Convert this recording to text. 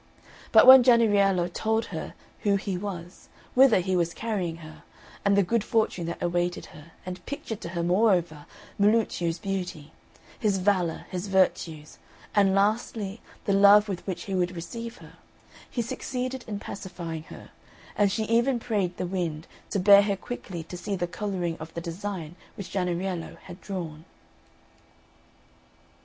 But when Jennariello told her who he was, whither he was carrying her, and the good fortune that awaited her, and pictured to her, moreover, Milluccio's beauty, his valour, his virtues, and lastly the love with which he would receive her, he succeeded in pacifying her, and she even prayed the wind to bear her quickly to see the colouring of the design which Jennariello had drawn.